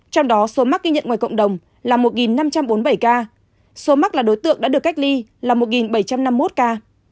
trong đó số mắc ghi nhận ngoài cộng đồng là một năm trăm bốn mươi bảy ca số mắc là đối tượng đã được cách ly là một bảy trăm năm mươi một ca